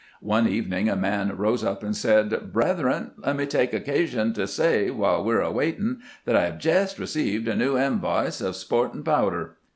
One evening a man rose up and said :' Brethren, let me take occasion to say, while we 're a waitin', that I have jest received a new inv'ice of sportin' powder.